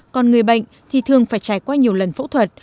còn người bệnh thì thường phải trải qua nhiều lần phẫu thuật